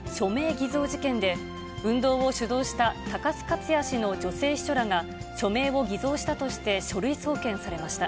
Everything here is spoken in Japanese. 偽造事件で、運動を主導した高須克弥氏の女性秘書らが、署名を偽造したとして書類送検されました。